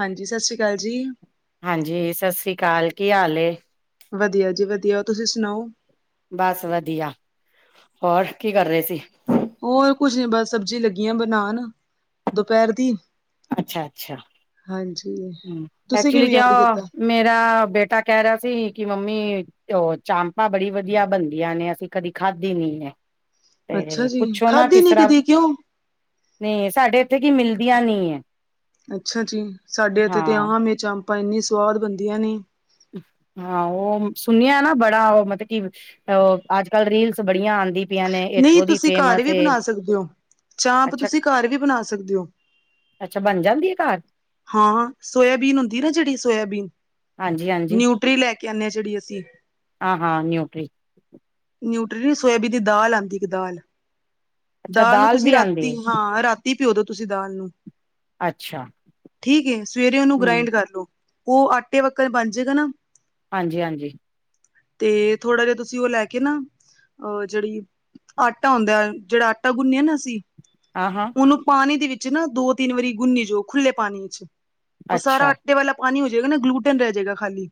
ਹਾਂਜੀ, ਸਤਿ ਸ੍ਰੀ ਅਕਾਲ ਜੀ। ਹਾਂਜੀ, ਸਤਿ ਸ੍ਰੀ ਅਕਾਲ, ਕੀ ਹਾਲ? ਵਧੀਆ- ਜੀ -ਵਧੀਆ ਤੁਸੀਂ ਸੁਣਾਓ? ਬਸ ਵਧੀਆ, ਹੋਰ ਕੀ ਕਰ ਰਹੇ ਸੀ। ਹੋਰ ਕੁਝ ਨਈ, ਬਸ ਸਬਜ਼ੀ ਲੱਗੀੀਆਂ ਬਣਾਉਣ ਦੁਪਹਿਰ ਦੀ। ਅੱਛਾ--ਅੱਛਾ ਹਾਂਜੀ ਤੁਸੀਂ ਐਕਚੁਲੀ ਕਿਵੇਂ ਕਿਆ? ਯਾਦ ਕੀਤਾ ਮੇਰ ਬੇਟਾ, ਕਹਿ ਰਿਹਾ ਸੀ ਕਿ ਮੰਮੀ? ਤੇ ਉਹ, ਚਾਮਪਾਂ ਬੜੀ ਵਧੀਆ ਬਣਦੀਆਂ ਨੇ, ਅਸੀਂ ਕਦੀ ਖਾਧੀ ਨਈ ਨੇ ਅੱਛਾ ਤੇ, ਜੀ ਪੁੱਛੋ ਨਾ ਖਾਧੀ ਕਿਸ ਨੀ ਤਰ੍ਹਾਂ, ਕਦੀ ਕਿਉਂ ਤੇ ਸਾਡੇ ਉਥੇ ਕੀ ਮਿਲਦੀਆਂ ਨਹੀ ਹੈ। ਅੱਛਾ ਜੀ, ਸਾਡੇ ਇੱਥੇ ਤਾਂ ਹਾਂ ਆਮ ਚਾਮਪਾਂ, ਇੰਨੀ ਸਵਾਦ ਬਣਦੀਆਂ ਨੇ। ਹਾਂ ਉਹ ਸੁਣਿਆ ਨਾ, ਬੜਾ ਉਹ ਮਤਲਬ ਕਿ? ਅੱਜ ਕਲ ਰੀਲਸ, ਬੜੀਆਂ ਆਦੀ ਨਹੀਂ, ਤੁਸੀਂ ਘਰ ਵੀ ਬਣਾ ਸਕਦੇ ਹੋ, ਚਾਂਪ ਅੱਛਾ ਤੁਸੀਂ ਘਰ ਵੀ, ਬਣਾ ਸਕਦੇ ਹੋ। ਅੱਛਾ, ਬਣ ਜਾਂਦੀ ਏ ਘਰ? ਹਾਂ, ਸੋਇਆਬੀਨ ਹੁੰਦੀ ਨਾ, ਜਿਹੜੀ ਸੋਇਆਬੀਨ ਹਾਂਜੀ ਹਾਂਜੀ ਨਿਊਟਰੀ ਲੈ ਕੇ ਆਉਂਦੇ ਹਾਂ ਜਿਹੜੀ ਅਸੀਂ ਹਾਂ ਹਾਂ ਨਿਊਟਰੀ ਨਿਊਟਰੀ, ਸੋਇਆਬੀਨ, ਦੀ ਦਾਲ ਆਂਦੀ ਇੱਕ ਦਾਲ ਅੱਛਾ ਦਾਲ ਨੂੰ ਤੁਸੀਂ ਵੀ ਆਂਦੀ ਏ ਰਾਤੀ ਹਾਂ ਰਾਤੀ ਭਉਂ, ਤੁਸੀਂ ਦਾਲ ਨੂੰ ਅੱਛਾ ਠੀਕ ਹੈ, ਸਵੇਰੇ ਉਹਨੂੰ ਹੂੰ ਗ੍ਰਾਇੰਡ ਕਰ ਲੋ, ਉਹ ਆਟੇ ਵਾਕਣ ਬਣ ਜਾਏਗਾ ਨਾ ਹਾਂਜੀ ਹਾਂਜੀ ਤੇ ਥੋੜਾ ਜਿਹਾ ਤੁਸੀਂ ਉਹ ਲੈ ਕੇ ਨਾ ਅਹ ਜਿਹੜੀ ਆਟਾ ਆਉਂਦਾ ਜਿਹੜਾ ਆਟਾ ਗੁੰਨਿਆ ਨਾ ਅਸੀਂ। ਹ ਹਾਂ ਉਹਨੂੰ ਪਾਣੀ ਦੇ ਵਿੱਚ ਨਾ ਦੋ ਤਿੰਨ ਵਾਰੀ ਗੁੰਨੀ ਜਾਓ ਖੁੱਲੇ ਪਾਣੀ ਵਿੱਚ ਉਹ ਸਾਰਾ। ਵਾਲਾ ਪਾਣੀ ਹੋ ਜਾਏਗਾ, ਨਾ ਗਲੂਟਨ ਰਹਿ ਜਾਏਗਾ ਖਾਲੀ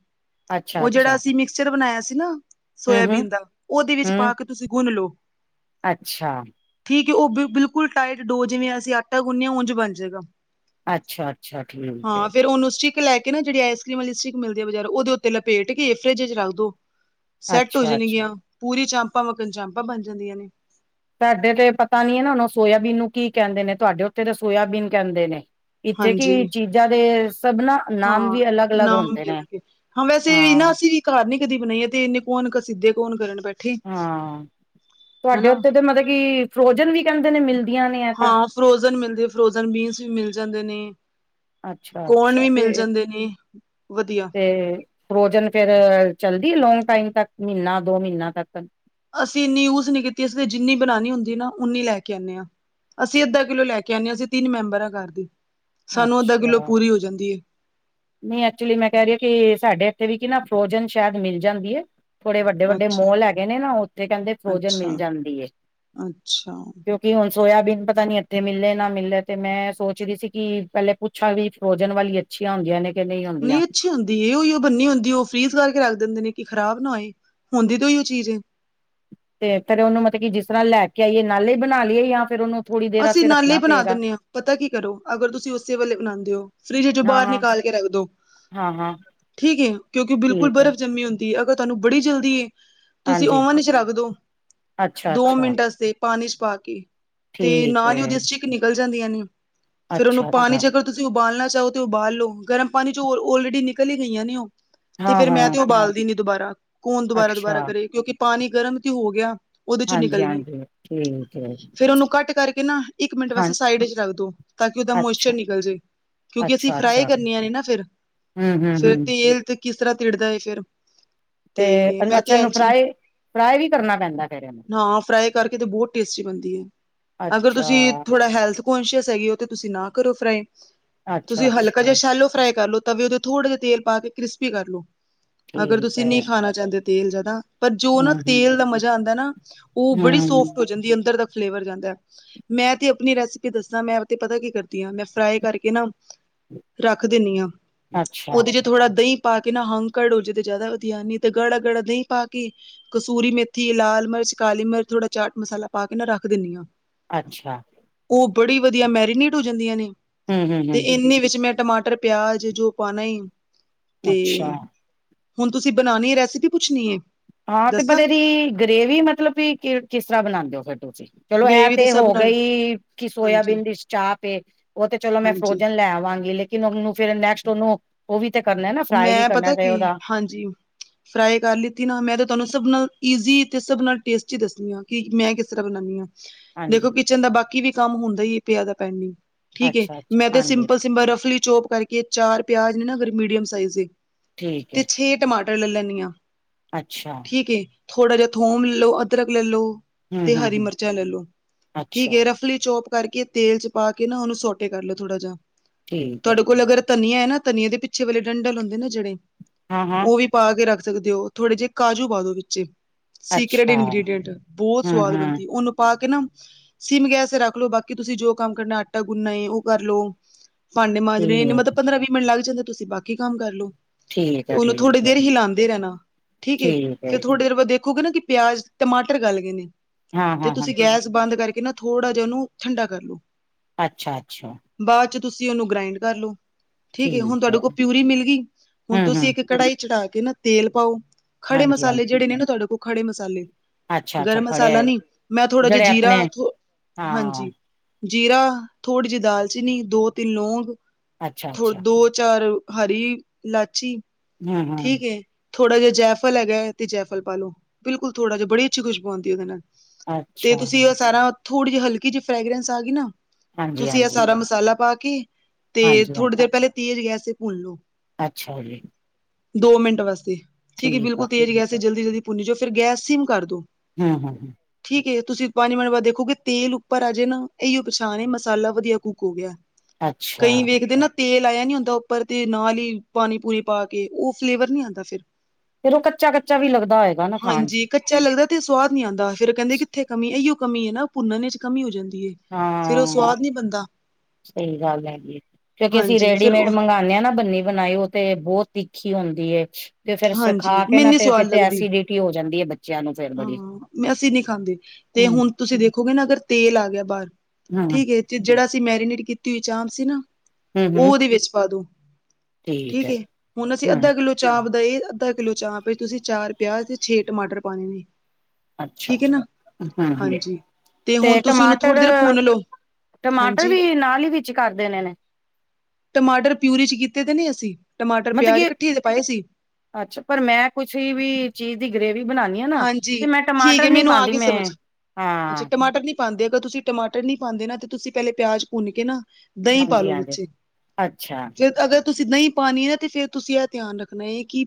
ਉਹ ਜਿਹੜਾ ਅੱਛਾ-ਅੱਛਾ-ਅੱਛਾ ਅਸੀਂ ਮਿਕਸਚਰ ਬਣਾਇਆ ਸੀ ਨਾ। ਹੂੰ-ਹੂੰ ਸੋਇਆਬੀਨ ਦਾ ਉਹਦੇ ਵਿੱਚ ਪਾ ਕੇ ਤੁਸੀਂ ਗੁੰਨ ਲਓ ਅੱਛਾ ਠੀਕ ਉਹ ਬ ਬਿਲਕੁਲ ਟਾਈਟ ਡੋ ਜਿਵੇਂ ਅਸੀਂ ਆਟਾ ਗੁੰਨਿਆ ਉਝ ਬਣ ਜਾਏਗਾ ਅੱਛਾ-ਅੱਛਾ-ਅੱਛਾ ਠੀਕ ਹਾਂ ਏ ਫੇਿਰ ਉਹਨੂੰ ਲੈ ਕੇ ਨਾ ਜਿਹੜੀ ਆਈਸਕ੍ਰਮ ਵਾਲੀ ਸਟ ਮਿਲਦੀ ਬਜਾਰੋ ਉਹਦੇ ਉੱਤੇ ਲਪੇਟ ਕੇ ਫਰਿਜ ਚ ਰੱਖ ਦੋ ਸੈੱਟ ਹੋ ਅੱਛਾ-ਅੱਛਾ ਜਾਣਗੀਆਂ ਪੂਰੀ ਚਾਂਪਾਂ ਮਗਣ ਚਾਂਪਾਂ ਬਣ ਜਾਂਦੀਆਂ ਨੇ ਤੁਹਾਡੇ ਤੇ ਪਤਾ ਨੀ ਹੈ ਨਾ ਉਹੂੰ ਸੋਇਆਬੀਨ ਨੂੰ ਕੀ ਕਹਿੰਦੇ ਨੇ ਤੁਹਾਡੇ ਉੱਥੇ ਤੇ ਸੋਇਬੀਨ ਕਹਿੰਦੇ ਨੇ ਇੱਥੇ ਹਾਂਜੀ ਕਿ ਚੀਜ਼ਾਂ ਦੇ ਸਭ ਨਾ ਨਾਮ ਹਾਂ ਵੀ ਅਲੱਗ ਅਲੱਗ ਨਾਮ ਹੁੰਦੇ ਵੀ ਨੇ ਅਲੱਗ ਏ ਹਾਂ ਵੈਸੇ ਵੀ ਨਾ ਹਾਂ। ਅਸੀਂ ਵੀ ਘਰ ਨੀ ਕਦੀ ਬਣਾਈਏ ਤੇ ਇੰਨੇ ਕੌਣ ਸਿੱਧੇ ਕੌਣ ਕਰਨ ਬੈਠੇ ਹਾਂ ਤੁਹਾਡੇ ਹਨਾ ਉੱਥੇ ਤਾਂ ਮਤਲਬ ਕਿ ਫਰੋਜਨ ਵੀ ਕਹਿੰਦੇ ਨੇ ਮਿਲ ਹਾਂ ਫਰੋਜਨ ਮਿਲਦੇ ਫਰੋਜਨ ਬੀਨਸ ਵੀ ਮਿਲ ਜਾਂਦੇ ਨੇ, ਕੌਣ ਅੱਛਾ-ਅੱਛਾ ਵੀ ਮਿਲ ਤੇ ਜਾਂਦੇ ਨੇ ਵਧੀਆ। ਤੇ ਫਰੋਜਨ ਫੇਿਰ ਚੱਲਦੀ ਲੋਂਗ ਟਾਈਮ ਤੱਕ ਮਹੀਨਾ ਦੋ ਮਹੀਨਾ ਤੱਕ ਅਸੀਂ ਇੰਨੀ ਯੂਜ ਨੀ ਕੀਤੀ ਅਸੀਂ ਤੇ ਜਿੰਨੀ ਬਣਾਉਣੀ ਹੁੰਦੀ ਨਾ ਉਓਨੀ ਲੈ ਕੇ ਆਉਂਦੇ ਹਾਂ। ਅਸੀਂ ਅੱਧਾ ਕਿੱਲੋ ਲੈ ਕੇ ਆਉਂਦੇ ਹਾਂ ਅਸੀਂ ਤਿੰਨ ਮੈਂਬਰ ਹਾਂ ਘਰ ਦੀ ਸਾਨੂੰ ਅੱਧਾ ਕਿੱਲੋ ਅੱਛਾ ਪੂਰੀ ਹੋ ਜਾਂਦੀ ਹੈ ਨਹੀਂ ਐਕਚੁਲੀ ਮੈਂ ਕਹਿ ਰਹੀ ਹ ਕਿ, ਸਾਡੇ ਇੱਥੇ ਵੀ ਕੀ ਨਾ ਫਰੋਜਨ ਸ਼ਾਇਦ ਮਿਲ ਜਾਂਦੀ ਹੈ। ਥੋੜੇ ਵੱਡੇ ਹੈ ਵੱਡੇ ਅੱਛਾ ਮੋਲ ਹੈਗੇ ਨੇ ਨਾ, ਉੱਥੇ ਕਹਿੰਦੇ ਫਰੋਜਨ ਮਿਲ ਅੱਛਾ ਜਾਂਦੀ ਕਿ। ਅੱਛਾ ਕਿ ਹੁਣ ਸੋਇਆਬੀਨ ਪਤਾ ਨੀ ਇੱਥੇ ਮਿਲੇ ਨਾ ਮਿਲੇ ਤੇ ਮੈਂ ਸੋਚਦੀ ਸੀ ਕਿ ਪਹਿਲੇ ਅੱਛਾ, ਜੀ ਫਰੋਜਨ ਵਾਲੀ ਅੱਛੀਆਂ ਹੁੰਦੀਆਂ ਨੇ ਕਿ ਨਹੀਂ ਹੁੰਦੀਆਂ ਅੱਛੀ ਹੁੰਦੀ ਦੀ ਇਹ ਉਹੀ ਉਹ ਬੰਨੀ ਹੁੰਦੀ ਉਹ ਫਰੀਜ਼ ਕਰਕੇ ਰੱਖ ਦਿੰਦੇ ਨੇ ਕਿ ਖ਼ਰਾਬ ਨਾ ਹੋਏ ਹੁੰਦੀ ਤੇ ਉਈ ਉਹ ਚੀਜ਼। ਤੇ ਫੇਰ ਉਹਨੂੰ ਮਤਲਬ ਜਿਸ ਤਰ੍ਹਾਂ ਲੈ ਕੇ ਆਈਏ ਨਾਲੇ ਹੀ ਬਣਾ ਲਈਏ ਜਾਂ ਫ਼ਿਰ ਉਹਨੂੰ, ਥੋੜ੍ਹੀ ਦੇਰ ਅਸੀਂ ਵਾਸਤੇ ਨਾਲੇ ਰੱਖਣਾ ਬਣਾ ਪਏਗਾ ਦਿੰਦੇ ਹਾਂ ਪਤਾ ਕੀ ਕਰੋ ਅਗਰ ਤੁਸੀਂ ਉਸੇ ਵੇਲੇ ਬਣਾਉਂਦੇ ਹੋ, ਫਰਿਜ ਚੋਂ ਹਾਂ ਬਾਹਰ ਹਾਂ ਨਿਕਾਲ ਕੇ ਰੱਖ ਦੋ ਹਾਂ ਹਾਂ ਠੀਕ ਹੈ, ਕਿਉਂਕਿ ਬਿਲਕੁਲ ਠੀਕ ਹੈ ਬਰਫ਼ ਜੰਮੀ ਹੁੰਦੀ। ਅਗਰ ਤੁਹਾਨੂੰ ਬੜੀ ਜਲਦੀ ਤੁਸੀਂ ਹਾਂਜੀ ਓਮਨ ਚ ਰੱਖ ਦੋ ਅੱਛਾ ਦੋ ਅੱਛਾ ਮਿੰਟ ਵਾਸਤੇ ਪਾਣੀ ਚ ਪਾ ਕੇ ਤੇ ਠੀਕ ਨਾਲ ਹੀ ਹੈ ਉਹਦੀ ਅਸ ਚੀਕ ਨਿਕਲ ਜਾਂਦੀਆਂ ਨੇ ਫਿਰ ਉਹਨੂੰ ਪਾਣੀ ਅੱਛਾ-ਅੱਛਾ, ਚ ਅਗਰ ਤੁਸੀਂ ਉਬਾਲਣਾ ਚਾਹੋ ਤੇ ਉਬਾਲ ਲੋੋ ਗਰਮ ਪਾਣੀ ਚ ਔਲਰੇਡੀ ਨਿਕਲ ਹੀ ਗਈਆਂ ਨੇ ਉਹ। ਤੇ ਫੇਰ ਮੈਂ ਹਾਂ-ਹਾਂ, ਤੇ ਉਬਾਲਦੀ ਨੀ ਦੁਬਾਰਾ ਕੌਣ ਦੁਬਾਰਾ ਅੱਛਾ, ਦੁਬਾਰਾ ਕਰੇ ਕਿਉਂਕਿ, ਪਾਣੀ ਗਰਮ ਤੇ ਹੋ ਗਿਆ ਉਹਦੇ ਚੋਂ ਨਿਕਲ ਗਈ ਹਾਂਜੀ-ਹਾਂਜੀ, ਠੀਕ ਏ, ਫੇਿਰ ਉਹਨੂੰ ਘੱਟ ਨਾ ਇੱਕ ਮਿੰਟ ਹਾਂ ਵਾਸੇ ਸਾਈਡ ਚ ਰੱਖ ਦੋ ਤਾਂ ਕਿ ਉਹਦਾ ਮੋਸਚਰ ਅੱਛਾ, ਨਿਕਲ ਜਾੇ। ਕਿਉਂਕਿ ਅਸੀਂ ਫਰਾਈ ਕਰਨੀੀਆਂ ਨੇ ਨਾ ਫ਼ਿਰ ਹੂ ਹੂ ਹੂ ਤੇਲ ਤੇ ਕਿਸ ਤਰ੍ਹਾਂ ਤਿੜਦਾ ਹੈ ਫਿਰ ਤੇ ਮੈਂ ਅੱਛਾ ਤੇ ਇਹਨੂੰ ਐਂਚ ਫਰਾਈ ਫਰਾਈ ਵੀ ਕਰਨਾ ਪੈਂਦਾ ਫੇਰ ਇਹਨੂੰ, ਹਾਂ ਫਰਾਈ ਕਰਕੇ ਤੇ ਬਹੁਤ ਟੇਸਟੀ ਬਣਦੀ ਹੈ। ਅਗਰ ਅੱਛਾ, ਤੁਸੀਂ ਥੋੜ੍ਹਾ ਹੈਲਥ ਕਸ਼ੀਅਸ ਹੈਗੀ, ਤੁਸੀਂ ਨਾ ਕਰੋ ਫਰਾਈ। ਤੁਸੀਂ ਹਲਕਾ ਅੱਛਾ-ਅੱਛਾ, ਜਿਹਾ ਸ਼ੈਲੋ ਫਰਾਈ ਕਰ ਲੋ ਤਵੇ ਉਹਦੇ ਥੋੜ੍ਹਾ ਜਿਹਾ ਤੇਲ ਪਾ ਕੇ ਕ੍ਰਿਸਪੀ ਕਰ ਲਓ ਅਗਰ ਠੀਕ ਤੁਸੀਂ ਹੈ। ਨਹੀਂ ਖਾਣਾ ਚਾਹੁੰਦੇ ਤੇਲ ਜਾਂਦਾ। ਪਰ ਜੋ ਨਾ ਹੂੰ-ਹੂੰ, ਤੇਲ ਦਾ ਮਜ਼ਾ ਆਉਂਦਾ ਨਾ ਉਹ ਬੜੀ ਹੂੰ, ਸੋਫਟ ਹੋ ਜਾਂਦੀ ਅੰਦਰ ਦਾ ਫਲੇਵਰ ਜਾਂਦਾ। ਮੈਂ ਤੇ ਆਪਣੀ ਰੈਸਿਪੀ ਦੱਸਾਂ ਮੈਂ ਤੇ ਪਤਾ ਕੀ ਕਰਦੀ ਹਾਂ ਮੈਂ ਫਰਾਈ ਕਰਕੇ ਕੇ ਨਾ ਰੱਖ ਦਿੰਦੀ ਹਾਂ ਉਹਦੇ ਚ ਥੋੜਾ ਦਹੀਂ ਪਾ ਕੇ ਨਾ ਹੰਕੜ ਹੋ ਜੇ ਤੇ ਜ਼ਿਆਦਾਧ ਆੀ ਤੇ ਗਲਾਾ ਗੜ ਪਾ ਕੇ ਕਸੂਰੀ ਮੇਥੀ, ਲਾਲ ਮਿਰਚ, ਕਾਲੀ ਮਿਰਚ, ਥੋੜ੍ਹਾ ਚਾਟ ਮਸਾਲਾ, ਪਾ ਕੇ ਨਾ ਰੱਖ ਦਿੰਦੀ ਹਾਂ। ਅੱਛਾ, ਉਹ ਬੜੀ ਵਧੀਆ ਮੈਰੀਨੇਟ ਹੋ ਜਾਂਦੀਆਂ ਨੇ ਹੂੰ ਹੂੰ ਤੇ ਹੂੰ, ਇੰਨਨੀ ਵਿੱਚ ਮੈਂ ਟਮਾਟਰ ਪਿਆਜ਼ ਜੋ ਪਾਣਾਇ। ਤੇ ਅੱਛਾ ਹੁਣ ਤੁਸੀਂ ਬਣਾਉਣੀਏ ਰੈਸਿਪੀ ਪੁੱਛਣੀ ਏ ਹਾਂ ਤੇ ਪਰ ਇਹਦੀ ਗਰੇਵੀ ਮਤਲਬ ਕਿ ਕਿਸ ਤਰ੍ਹਾਂ ਬਣਾਉਂਦੇ ਹੋ ਫਿਰ ਤੁਸੀਂ ਚਲੋ ਇਹ ਗ੍ਰੇਵੀ ਦੇ ਤੇ ਸਭ ਹੋ ਨਾਲ ਗਈ ਕਿ ਹਾਂਜੀ ਸੋਇਆਬੀਨ ਦੀ ਚਾਂਪ ਉਹ ਤੇ ਚਲੋ ਮੈਂ ਹਾਂਜੀ ਫਰੋਜਨ ਲੈ ਆਵਾਂਗੀ ਲੇਕਿਨ ਉਹਨੂੰ ਫਿਰ ਨੈਕਸਟ ਉਹਨੂੰ ਉਹ ਵੀ ਤੇ ਕਰਨਾ ਨਾ। ਫਰਾਈ ਵੀ ਕਰਨਾ ਤੇ ਉਹਦਾ ਜੀ ਫਰਾਈ ਕਰ ਲਿਤੀ ਨਾ। ਮੈਂ ਤਾਂ ਤੁਹਾਨੂੰ ਸਭ ਨਾਲ ਈਜ਼ੀ, ਤੇ ਸਭ ਨਾਲ ਟੇਸਟੀ ਦੱਸਦੀ ਹਾਂ। ਕਿ ਮੈਂ ਕਿਸ ਤਰ੍ਹਾਂ ਬਣਾਉਾਨਦੀ ਹਾਂ ਦੇਖੋ ਹਾਂਜੀ ਕਿਚਨ ਦਾ ਬਾਕੀ ਵੀ ਕੰਮ ਹੁੰਦਾ ਹੀ ਏ। ਪਿਆ ਦਾ ਪੈਂਡਿੰਗ ਠੀਕ ਹੈ ਅੱਛਾ ਅੱਛਾ ਮੈਂ ਤੇ ਹਾਂਜੀ ਸਿੰਪਲ ਰਫਲੀ ਚੋਪ ਕਰਕੇ ਚਾਰ ਪਿਆਜ ਨੇ ਨਾ ਅਗਰ ਮੀਡੀਮ ਸਾਈਜ਼ ਦੇ ਠੀਕ ਤੇ ਹੈ ਛੇ ਟਮਾਟਰ ਲੈ ਲੈਂਦੀ ਹਾਂ। ਅੱਛਾ ਠੀਕ ਹੇ ਥੋੜਾ ਜਿਹਾ ਥੋਮ ਲੈ ਲਓ, ਅਦਰਕ ਲੈ ਲੋ, ਹਮ ਤੇ ਹਮ ਹਰੀ ਹਮ ਮਿਰਚਾਂ ਲੈ ਲੋ, ਠੀਕ ਅੱਛਾ ਹੈ ਰਫ ਲੀ ਚੋਪ ਕਰਕੇ ਤੇਲ ਚ ਪਾ ਕੇ ਨਾ ਉਹਨੂੰ ਸੋਟੇ ਕਰ ਲਓ ਥੋੜਾ ਜਿਹਾ, ਠੀਕ ਤੁਹਾਡੇ ਹੈ ਕੋਲ ਅਗਰ ਧਨੀਆ ਹੈ ਨਾ ਧਨੀਆ ਦੇ ਪਿੱਛੇ ਵੇਲੇ ਡੰਡਲ ਹੁੰਦੇ ਨਾ, ਜਿਹੜੇ ਹਾਂ-ਹਾਂ। ਉਹ ਵੀ ਪਾ ਕੇ ਰੱਖ ਸਕਦੇ ਹੋ, ਥੋੜੇ ਜਿਹੇ ਕਾਜੂ ਪਾ ਦੋ ਵਿੱਚੇ ਸੀਕਰੇਟ ਅੱਛਾ ਇੰਗ੍ਰਡੀਐਂਟ ਬਹੁਤ ਹਮ ਸਵਾਦ ਹਮ ਬਣਦੀ। ਉਹਨੂੰ ਪਾ ਕੇ ਨਾ ਸਿਮ ਗੈਸ ਰੱਖ ਲਓ ਬਾਕੀ ਤੁਸੀਂ ਜੋ ਕੰਮ ਕਰਨਾ ਆਟਾ ਗੁੰਨਾ ਏ ਉਹ ਕਰ ਲੋ ਭਾਂਡੇ ਮਾਂਜਨੇ ਠੀਕ ਮਤਲਬ ਪੰਦਰਾਂ, ਵੀਹ ਮਿੰਟ ਲੱਗ ਜਾਂਦੇ, ਤੁਸੀਂ ਬਾਕੀ ਕੰਮ ਕਰ ਲੋ ਠੀਕ ਹੈ ਉਹਨੂੰ ਠੀਕ ਥੋੜ੍ਹੀ ਹੈ ਦੇਰ ਹੀ ਲਾਉਂਦੇ ਰਹਿਣਾ, ਠੀਕ ਹੇ ਫੇਰ ਥੋੜੀ ਦੇਰ ਬਾਅਦ ਦੇਖੋਗੇ ਨਾ ਕਿ ਪਿਆਜ ਟਮਾਟਰ ਗਲ ਗਏ ਨੇ, ਹਾਂ ਤੇ ਹਾਂ ਹਾਂ ਤੁਸੀਂ ਗੈਸ ਬੰਦ ਕਰਕੇ ਨਾ ਥੋੜ੍ਹਾ ਜਿਹਾ ਉਹਨੂੰ ਠੰਡਾ ਕਰ ਲਓ ਅੱਛਾ-ਅੱਛਾ। ਬਾਅਦ ਚ ਤੁਸੀਂ ਉਹਨੂੰ ਗ੍ਰਾਇੰਡ ਕਰ ਲਓ, ਠੀਕ ਹੈ ਹੁਣ ਤੁਹਾਡੇ ਕੋਲ ਪਿਊਰੀ ਮਿਲ ਗਈ, ਹੁਣ ਹਮ ਤੁਸੀਂ ਹਮ ਇੱਕ ਕਢਾਈ ਚੜ੍ਹਾ ਕੇ ਨਾ ਤੇਲ ਪਾਓ- ਖੜੇ ਹਾਂਜੀ ਹਾਂਜੀ ਮਸਾਲੇ ਜਿਹੜੇ ਨੇ, ਨਾ ਤੁਹਾਡੇ ਕੋਲ ਖੜੇ ਮਸਾਲੇ ਅੱਛਾ ਅੱਛਾ ਗਰਮ ਖੜੇ ਮਸਾਲਾ ਨੀ ਮੈਂ ਥੋੜਾ ਜਿਹਾ ਜਿਹੜੇ ਆਪਣੇ ਜੀਰਾ ਹਾਂ ਹਾਂਜੀ ਜੀਰਾ ਥੋੜ੍ਹੀ ਜਿਹੀ ਦਾਲ-ਚੀਨੀ ਦੋ, ਤਿੰਨ ਲੌਂਗ ਅੱਛਾ ਥੋ ਅੱਛਾ ਦੋ ਚਾਰ ਹਰੀ ਇਲਾਚੀ ਹੂੰ ਹੂੰ ਠੀਕ ਹੇ ਥੋੜਾ ਜਿਹਾ ਜੈਫਲ ਹੈਗਾ, ਤੇ ਜੈਫਲ ਪਾ ਲਓ, ਬਿਲਕੁਲ ਥੋੜਾ ਜਹਾ ਬੜੀ ਅੱਛੀ ਖੁਸ਼ਬੂ ਆਉਦੀ ਉਹਦੇ ਨਾਲ ਤੇ ਅੱਛਾ ਤੁਸੀਂ ਔ ਸਾਰਾ ਥੋੜ੍ਹੀ ਜਿਹੀ ਹਲਕੀ ਜਿਹੀ ਫਰੈਗਰੈਂਸ ਆ ਗਈ ਨਾ ਹਾਂਜੀ ਤੁਸੀਂ ਇਹ ਹਾਂਜੀ ਸਾਰਾ ਮਸਾਲਾ ਪਾ ਕੇ, ਤੇ ਹਾਂਜੀ ਹਾਂ ਥੋੜ੍ਹੀ ਦੇਰ ਪਹਿਲੇ ਤੇਜ ਗੈਸ ਭੁੰਨ ਲੋ ਅੱਛਾ ਜੀ। ਦੋ ਮਿੰਟ ਵਾਸਤੇ ਠੀਕ ਹੈ, ਬਿਲਕੁਲ ਤੇਜ਼ ਗੈਸ ਜਲਦੀ-ਜਲਦੀ ਭੁੰਨੀ ਜਾਓ ਫਿਰ ਗੈਸ ਸਮ ਕਰ ਦੋ [unintelligible] ਠੀਕ ਹੈ, ਤੁਸੀਂ ਪੰਜ ਮਿੰਟ ਬਾਅਦ ਦੇਖੋਗੇ, ਤੇਲ ਉੱਪਰ ਆਜੇ ਨਾ ਇਹੀ ਪਛਾਣ ਮਸਾਲਾ ਵਧੀਆ ਕੁੱਕ ਹੋ ਗਿਆ ਅੱਛਾ ਕਈ ਵੇਖਦੇ ਨਾ ਤੇਲ ਆਇਆ ਨਹੀਂ ਹੁੰਦਾ, ਉੱਪਰ ਤੇ ਨਾਲ ਹੀ ਪਾਣੀ ਪੂਣੀ ਪਾ ਕੇ ਉਹ ਫਲੇਵਰ ਨੀ ਆਉਂਦਾ ਫਿਰ ਫਿਰ ਉਹ ਕੱਚਾ-ਕੱਚਾ ਵੀ ਲੱਗਦਾ ਹੋਏਗਾ, ਨਾ ਖਾਨ ਚ ਹਾਂਜੀ ਕੱਚਾ ਲੱਗਦਾ ਤੇ ਸਵਾਦ ਨੀ ਆਉਂਦਾ, ਫਿਰ ਕਹਿੰਦੇ ਕਿੱਥੇ ਕਮੀ ਇਹੀਓ ਕਮੀ ਹੈ, ਨਾ ਪੁੰਨ ਚ ਕਮੀ ਹੋ ਜਾਂਦੀ ਹੈ। ਫਿਰ ਉਹ ਹਾਂ ਸਵਾਦ ਨੀ ਬਣਦਾ ਸਹੀ ਗੱਲ ਹੈਗੀ, ਕਿਉਂਕਿ ਅਸੀਂ ਹਾਂਜੀ ਫਿਰ ਰੈਡੀਮੇਡ ਉਹ ਮੰਗਵਾਉਂਦੇ ਹਾਂ ਨਾ, ਬੰਨੀ ਬਣਾਈ ਤੇ ਬਹੁਤ ਤਿੱਖੀ ਹੁੰਦੀ ਏ, ਤੇ ਫੇਰ ਸੁਖਾ ਹਾਂਜੀ ਕੇ ਮੈਨੂੰ ਨਾ ਨੀ ਤੇ ਫਿਰ ਤੇ ਅਸੀ ਵੀ ਹੋ ਜਾਂਦੀ ਹੈ ਬੱਚਿਆਂ ਨੂੰ ਫੇਰ ਬੜੀ ਹਾਂ-ਹਾਂ ਅਸੀਂ ਨੀ ਖਾਂਦੇ ਤੇ ਹੂੰ ਹੁਣ ਤੁਸੀਂ ਦੇਖੋਗੇ, ਨਾ ਅਗਰ ਤੇਲ ਆ ਗਿਆ ਬਾਹਰ ਹੂੰ ਠੀਕ ਹੈ ਤੇ ਜਿਹੜਾ ਅਸੀਂ ਮੈਰੀਨੇਟ ਕੀਤੀ ਹੋਈ ਚਾਂਪ ਸੀ ਨਾ, ਹੂੰ ਉਹ ਹੂੰ ਉਹਦੇ ਵਿੱਚ ਪਾ ਦਉ ਠੀਕ ਏ, ਹੁਣ ਅਸੀਂ ਹੂੰ ਅੱਧਾ ਕਿੱਲੋ ਚਾਪ ਦਾਏ ਅੱਧਾ ਕਿੱਲੋ ਚਾਪ ਚ ਤੁਸੀਂ ਚਾਰ ਪਿਆਜ ਤੇ ਛੇ ਟਮਾਟਰ ਪਾਣੇ ਨੇ ਠੀਕ ਹੈ ਅੱਛਾ-ਅੱਛਾ, ਨਾ ਹਾਂ ਹਾਂਜੀ ਤੇ ਹੁਣ ਤੁਸੀਂ ਉਹਨੂੰ ਟਮਾਟਰ ਥੋੜ੍ਹੀ ਦੇਰ ਭੁੰਨ ਲਓ ਟਮਾਟਰ ਹਾਂਜੀ ਵੀ ਨਾਲ ਹੀ ਵਿੱਚ ਕਰ ਦੇਣੇ ਨੇ ਟਮਾਟਰ ਪਿਊਰੀ ਚ ਕੀਤੇ ਤੇ ਨੀ ਅਸੀਂ, ਟਮਾਟਰ ਮਤਲਬ ਪਿਆਜ ਕਿ ਕੱਠੇ ਦੇ ਪਾਏ ਸੀ ਅੱਛਾ, ਪਰ ਮੈਂ ਕੁਛ ਹੀ ਵੀ। ਚੀਜ਼ ਦੀ ਗਰੇੇਵੀ ਬਣਾਣੀ ਹਾ ਨਾ ਤੇ ਹਾਂਜੀ ਮੈਂ ਠੀਕ ਟਮਾਟਰ ਹੈ ਨੀ ਮੈਨੂੰ ਪਾਉਦੀ ਮੈਂ ਹਾਂ। ਪਾਾਂਂਦੇ ਅਗਰ ਤੁਸੀਂ ਟਮਾਟਰ ਨੀ ਪਾਉਂਦੇ ਨਾ, ਤੇ ਤੁਸੀਂ ਪਹਿਲੇ ਪਿਆਜ ਭੁੰਨ ਕੇ ਨਾ ਦਹੀਂ ਹਾਂਜੀ ਪਾਲੋ ਹਾਂਜੀ ਵਿੱਚ ਅੱਛਾ ਫਿਰ ਅਗਰ ਤੁਸੀਂ ਦਹੀਂ ਪਾਣੀ ਨਾ ਤੇ ਫੇਰ ਤੁਸੀਂ ਇਹ ਧਿਆਨ ਰੱਖਣਾ ਹੈ, ਕਿ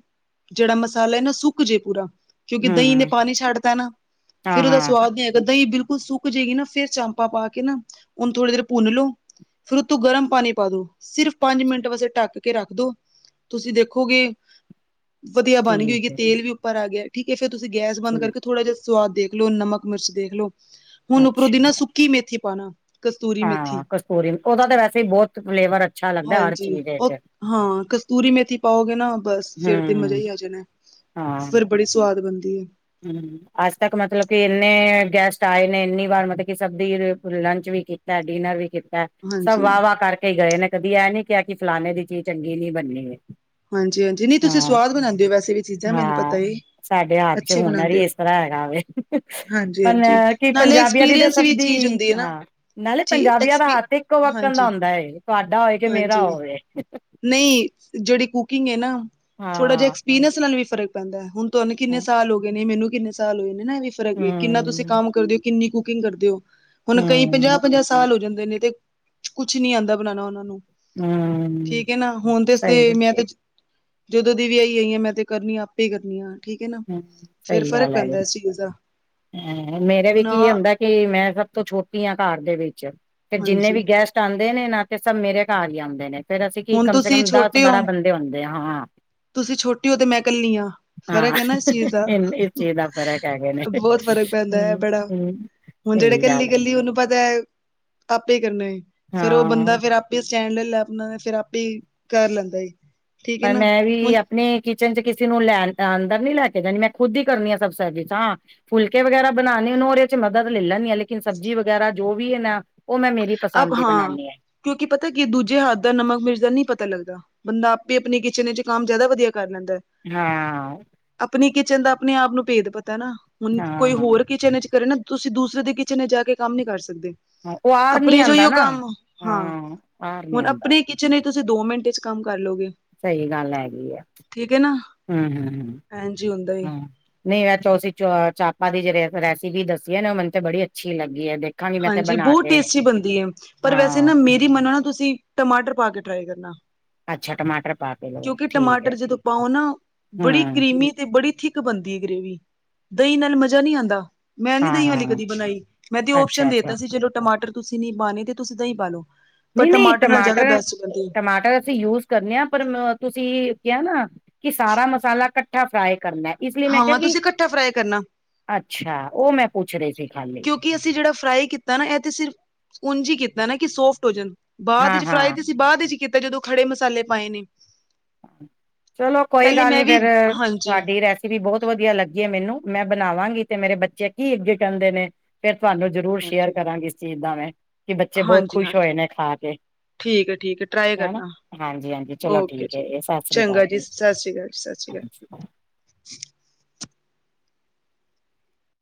ਜਿਹੜਾ ਮਸਾਲਾ ਹੈ ਨਾ ਸੁੱਕ ਜੇ ਪੂਰਾ ਕਿਉਂਕਿ ਹਮ ਦਹੀਂ ਨੇ ਹਮ ਪਾਣੀ ਛੱਡਤਾ ਨਾ ਹਾਂ ਫੇਰ, ਉਹਦਾ ਹਾਂ ਸਵਾਦ ਨੀ ਹੈਗਾ ਦਹੀਂ ਬਿਲਕੁਲ ਸੁ ਜਾਏਗੀ ਨਾ ਫਿਰ ਚਾਂਪਾ, ਪਾ ਕੇ ਨਾ ਹੁਣ ਥੋੜੀ ਦੇਰ ਭੁੰਨ ਲੋੋ। ਫਿਰ ਉਤੋਂ ਗਰਮ ਪਾਣੀ ਪਾ ਦੋ, ਸਿਰਫ ਪੰਜ ਮਿੰਟ ਵੈਸੇ ਢੱਕ ਕੇ ਰੱਖ ਦੋ। ਤੁਸੀਂ ਦੇਖੋਗੇ ਵਧੀਆ ਗਈ ਹੋਈਗੀ, ਠੀਕ ਹੈ ਤੇਲ ਵੀ ਉੱਪਰ ਆ ਗਿਆ ਠੀਕ ਹੈ, ਫਿਰ ਤੁਸੀਂ ਗੈਸ ਬੰਦ ਕਰ ਠੀਕ ਥੋਡਾ ਜਿਹਾ ਸਵਾਦ ਦੇਖ ਲੋ, ਨਮਕ, ਮਿਰਚ ਦੇਖਲੋ। ਹੁਣ ਉੱਪਰੋਂ ਦੀ ਅੱਛਾ ਨਾ ਸੁੱਕੀ ਮੇਥੀ ਪਾ ਦੋ। ਹਾਂ, ਕਸਤੂਰੀ ਉਹਦਾ ਤਾਂ ਵੈਸੇ ਹੀ ਬਹੁਤ ਫਲੇਵਰ ਅੱਛਾ ਲੱਗਦਾ ਹਰ ਹਾਂਜੀ ਚੀਜ਼ ਦੇ ਉਹ ਇਚ। ਹਾਂ, ਕਸਤੂਰੀ ਮੇਥੀ ਪਾਓਗੇ ਨਾ। ਬਸ ਫੇਰ ਤੇ ਮਜ਼ਾ ਹਮ ਹੀ ਆ ਜਾਣਾ। ਹਾਂ ਫਿਰ ਬੜੀ ਸੁਆਦ ਬਣਦੀ ਏ। ਹੂੰ। ਅੱਜ ਤੱਕ ਮਤਲਬ ਕਿ ਇੰਨੇ ਗੈਸਟ ਆਏ ਨੇ, ਇੰਨੀ ਵਾਰ ਮਤਲਬ ਕਿ ਸਭ ਦੀ ਲੰਚ ਵੀ ਡਿਨਰ ਵੀ ਕੀਤਾ। ਸਭ ਹਾਂਜੀ। ਵਾਹ ਵਾਹ ਕਰਕੇ ਗਏ, ਨੇ ਕਦੀ ਇਹ ਨੀ ਕਿਹਾ ਕਿ ਫਲਾਨੇ ਦੀ ਚੀਜ਼ ਚੰਗੀ ਨਹੀਂ ਬੰਨੀ। ਹਾਂਜੀ, ਹਾਂਜੀ, ਨਹੀਂ ਤੁਸੀਂ ਸਵਾਦ ਬਣਾਉਂਦੇ ਹੋ ਵੈਸੇ ਵੀ ਚੀਜ਼ਾਂ ਮੈਨੂੰ ਪਤਾ ਏ। ਅੱਛੀ ਹੁਣ ਬਣਾਉਂਦੇ ਹੀ ਹੋ। ਇਸ ਤਰ੍ਹਾਂ ਹੈਗਾ। ਹਾਂਜੀ-ਹਾਂਜੀ ਪਰ ਕੀ ਨਾਲੇ ਪੰਜਾਬੀਆਂ ਦੀ ਤਾਂ ਐਕਸਪੀਰੀਅੰਸ ਸਭ ਵੀ ਚੀਜ਼ ਦੀ। ਹੁੰਦੀ ਹੈ ਨਾ ਹਾਂ, ਨਾਲੇ ਜੀ ਪੰਜਾਬੀਆਂ ਦਾ ਐਕਸਪੀ ਹੱਥ ਇੱਕੋ ਵੱਕਣ ਦਾ ਹੁੰਦਾ ਹੈ। ਤੁਹਾਡਾ ਹੋਵੇ ਕਿ ਮੇਰਾ ਹਾਂਜੀ-ਹਾਂਜੀ ਹੋਵੇ। ਨਹੀਂ, ਜਿਹੜੀ ਕੁਕਿੰਗ ਹੈ ਨਾ, ਥੋੜਾ ਜਿਹਾ ਹਾਂ ਐਕਸਪੀਰੀੰਸ ਨਾਲ ਵੀ ਫਰਕ ਪੈਂਦਾ। ਹੁਣ ਤੁਹਾਨੂੰ ਕਿੰਨੇ ਸਾਲ ਹੋ ਗਏ ਨੇ। ਮੈਨੂੰ ਕਿੰਨੇ ਸਾਲ ਹੋਏ ਨੇ ਨਾ ਵੀ ਫਿਰ ਕਿੰਨਾ ਤੁਸੀਂ ਹੂੰ ਕੰਮ ਕਰਦੇਓ। ਕਿੰਨੀ ਕੁਕਿੰਗ ਕਰਦੇ ਔ। ਹੁਣ ਕਈ ਪੰਜਾਹ- ਹੂੰ ਪੰਜਾਹ ਸਾਲ ਹੋ ਜਾਂਦੇ ਨੇ। ਤੇ ਕੁਛ ਨੀ ਆਂਦਾ ਬਣਾਉਣਾ ਉਹਨਾਂ ਨੂੰ। ਹੂੰ। ਠੀਕ ਹੈ ਨਾ। ਹੁਣ ਤੇ ਸਹੀ ਗੱਲ ਮੈਂ ਤੇ ਜਦੋਂ ਦੀ ਵਿਆਹੀ ਆਈ ਹਾਂ ਮੈਂ ਤੇ ਕਰਨੀ ਆ ਆਪੇ ਹੀ ਕਰਨੀ ਹਾਂ। ਠੀਕ ਐ ਨਾ। ਹੂੰ ਫੇਰ ਸਹੀ ਫ਼ਰਕ ਗੱਲ ਹੈਗੀ। ਪੈਂਦਾ ਇਸ ਚੀਜ਼ ਦਾ। ਮੇਰੇ ਹੁਣ ਵਿੱਚ ਆਹ ਇਹ ਹੁੰਦਾ ਕਿ ਮੈਂ ਸਭ ਤੋਂ ਛੋਟੀ ਆ ਘਰ ਦੇ ਵਿੱਚ, ਫੇਰ ਜਿੰਨੇ ਹਾਂਜੀ ਵੀ ਗੈਸਟ ਚਾਹਦੇ ਨੇ ਨਾ ਤੇ ਸਭ ਮੇਰੇ ਘਰ ਹੀ ਆਉਂਦੇ ਨੇ। ਫੇਰ ਅਸੀਂ ਕਿ ਹੁਣ ਕਮ ਸੇ ਤੁਸੀਂ ਕੰਮ ਦਸ- ਛੋਟੇ ਹੋ ਬਾਰਾਂ ਬੰਦੇ ਹੁੰਦੇ ਹਾਂ। ਤੁਸੀਂ ਛੋਟੀ ਹੋ ਤੇ ਮੈਂ ਕੱਲੀ ਆ। ਹਾਂ ਫ਼ਰਕ ਹੈ ਨਾ ਇਸ ਚੀਜ਼ ਦਾ ਇਸ ਚੀਜ਼ ਦਾ ਫ਼ਰਕ ਹੈਗੇ ਨੇ ਬਹੁ ਬ ਫਰਕ ਪੈਂਦਾ ਹੈ ਹਮ ਬੜਾ। ਹਮ ਹੁਣ ਜਿਹੜੇ ਸਹੀ ਕੱਲੀ- ਗੱਲ ਹੈ ਕੱਲੀ ਉਹਨੂੰ ਪਤਾ ਆਪੇ ਕਰਨਾ ਹੈ। ਫੇਰ ਉਹ ਹਾਂ ਬੰਦਾ ਫੇਰ ਆਪ ਆਪੇ ਸਟੈਂਡ ਲੈ ਲੈ ਆਪਣਾ ਫੇਰ ਆਪੇ ਕਰ ਲੈਂਦਾ। ਠੀਕ ਹੈ ਪਰ ਨਾ। ਮੈਂ ਵੀ ਹੁਣ ਆਪਣੇ ਕਿਚਨ ਚ' ਕਿਸੇ ਨੂੰ ਲੈਣ ਅੰਦਰ ਨੀ ਲੈ ਕੇ ਜਾਣੀ ਮੈਂ ਖੁਦ ਹੀ ਕਰਨੀ ਆ ਸਬ ਸ ਹਾਂ। ਫੁਲਕੇ ਵਗੈਰਾ ਬਣਾਉਂਣੇ ਹੋਣ ਉਹਦੇ ਚ' ਮਦਦ ਲੈ ਲੈਂਦੀ ਹਾਂ। ਲੇਕਿਨ ਸਬਜ਼ੀ ਵਗੈਰਾ ਜੋ ਵੀ ਇਹ ਨਾ ਉਹ ਮੈਂ ਮੇਰੀ ਪਸੰਦ ਦੀ ਬਣਾਨੀ ਹਾਂ। ਕਿਉਂਕਿ ਪਤਾ ਕੀ ਦੂਜੇ ਹੱਥ ਦਾ ਨਮਕ ਮਿਰਜ਼ ਦਾ ਨਹੀਂ ਪਤਾ ਲੱਗਦਾ। ਬੰਦਾ ਆਪੇ ਆਪਣੀ ਕਿਚਨ ਵਿੱਚ ਕੰਮ ਜ਼ਿਆਦਾ ਵਧੀਆ ਕਰ ਲੈਂਦਾ। ਹਾਂ। ਆਪਣੀ ਕਿਚਨ ਦਾ ਆਪਣੇ ਆਪ ਨੂੰ ਭੇਦ ਪਤਾ ਨਾ। ਹੁਣ ਕੋਈ ਹਾਂ ਹੋਰ ਕਿਚਨ ਵਿੱਚ ਕਰੇ ਨਾ। ਤੁਸੀਂ ਦੂਸਰੇ ਦੇ ਕਿਚਨ ਜਾ ਕੇ ਕੰਮ ਨੀ ਕਰ ਸਕਦੇ। ਉਹ ਆਰ ਨੀ ਆਪਣੇ ਜੋ ਹੀ ਆਂਦਾ ਉਹ ਨਾ ਕੰਮ ਹਾਂ, ਆਰ ਨੀ ਹੁਣ ਆਂਦਾ ਆਪਣੇ ਨਹੀਂ, ਤੁਸੀਂ ਦੋ ਮਿੰਟੇ ਚ' ਕੰਮ ਕਰ ਲਓਗੇ। ਸਹੀ ਗੱਲ ਹੈਗੀ ਆ। ਹੂੰ, ਹੂੰ, ਐਂਜ ਹੀ ਹੁੰਦਾ ਏ ਹੂੰ। ਨਹੀਂ ਐ ਚ- ਚਾਪਾ ਦੀ ਜਿਹੜ ਰੈਸਪੀ ਦੱਸੀ ਹੈ ਨਾ, ਉਹ ਮੈਨੂੰ ਤੇ ਬੜੀ ਅੱਛੀ ਲੱਗੀ ਦੇਖ। ਹਾਂਜੀ, ਬਹੁਤ ਟੇਸਟੀ ਬਣਦੀ ਐ। ਪਰ ਵੈਸੇ ਹਾਂ ਨਾ ਮੇਰੀ ਮੰਨੋ ਨਾ ਤੁਸੀਂ ਟਮਾਟਰ ਪਾ ਕੇ ਟਰਾਈ ਕਰਨਾ। ਅੱਛਾ। ਟਮਾਟਰ ਪਾ ਕੇ ਲਓ ਕਿਉਂਕਿ ਠੀਕ ਹੈ ਟਮਾਟਰ ਜਦੋਂ ਪਾਓ ਨਾ ਬੜੀ ਹੂੰ ਕਰੀਮੀ ਤੇ ਬੜੀ ਥਿਕ ਬਣਦੀ ਏ। ਗਰੇੇਵੀ ਦਹੀਂ ਨਾਲ ਮਜ਼ਾ ਨਹੀਂ ਆਂਦਾ। ਮੈਂ ਨੀ ਹਾਂ ਦਹੀਂ ਵਾਲੀ ਹਾਂ ਕਦੀ ਬਣਾਈ, ਮੈਂ ਤੇ ਓਪਸ਼ਨ ਅੱਛਾ ਦੇ ਦਿੱਤਾ ਅੱਛਾ ਸੀ। ਚਲੋ ਟਮਾਟਰ ਤੁਸੀਂ ਨੀ ਪਾਣੇ ਤੇ ਤੁਸੀਂ ਦਹੀਂ ਪਾਲੋ। ਨਹੀਂ- ਨਹੀਂ ਟਮਾਟਰ, ਟਮਾਟਰ ਅਸੀਂ ਯੂਜ ਕਰਨੇ ਆ। ਪਰ ਤੁਸੀਂ ਕਿਹਾ ਨਾ ਕਿ ਸਾਰਾ ਮਸਾਲਾ ਇਕੱਠਾ ਫਰਾਈ ਕਰਨਾ। ਇਸ ਲਈ ਮੈਂ ਕਿਹਾ ਹਾਂ ਕਿ, ਤੁਸੀਂ ਇਕੱਠਾ ਫਰਾਈ ਕਰਨਾ ਅੱਛਾ। ਉਹ ਮੈਂ ਪੁੱਛ ਰਹੀ ਸੀ ਖਾਲੀ। ਕਿਉਂਕਿ ਅਸੀਂ ਜਿਹੜਾ ਫਰਾਈ ਕੀਤਾ ਨਾ ਇਹ ਤੇ ਸਿਰਫ ਉਝ ਹੀ ਕੀਤਾ ਨਾ ਕਿ ਸੋਫਟ ਹੋ ਜਾਣ, ਬਾਅਦ ਹਾਂ ਵਿੱਚ ਫਰਾਈ ਹਾਂ ਤੇ ਸੀ ਬਾਅਦ ਵਿੱਚ ਕੀਤਾ ਜਦੋਂ ਖੜੇ ਮਸਾਲੇ ਪਾਏ ਨੇ। ਚਲੋ, ਕੋਈ ਪਹਿਲੇ ਗੱਲ ਮੈਂ ਨੀ ਵੀ ਫੇਰ ਹਾਂਜੀ ਤੁਹਾਡੀ ਰੈਸ ਵੀ ਬਹੁਤ ਵਧੀਆ ਲੱਗੀ ਐ ਮੈਨੂੰ, ਮੈਂ ਬਣਾਵਾਂਗੀ ਤੇ ਮੇਰੇ ਬੱਚੇ ਕੀ ਇਜਟ ਆਂਦੇ ਨੇ ਫੇਰ ਤੁਹਾਨੂੰ ਜ਼ਰੂਰ ਸ਼ੇਅਰ ਹਾਂਜੀ ਕਰਾਂਗੇ ਇਸ ਚੀਜ਼ ਦਾ ਮੈਂ। ਕਿ ਬੱਚੇ ਬਹੁਤ ਖੁਸ਼ ਹਾਂਜੀ-ਹਾਂਜੀ ਹੋਏ ਨੇ ਖਾ ਕੇ। ਠੀਕ ਐ, ਠੀਕ ਐ ਟਰਾਈ ਕਰਨਾ ਹਾਂਜੀ-ਹਾਂਜੀ ਚਲੋ ਓਕੇ ਠੀਕ। ਜੀ। ਇਹ ਸਤਿ ਸ੍ਰੀ ਚੰਗਾ ਅਕਾਲ ਜੀ ਸਤਿ ਸ਼੍ਰੀ ਅਕਾਲ ਜੀ, ਸਤਿ ਸ਼੍ਰੀ ਅਕਾਲ। ਹਾਂਜੀ।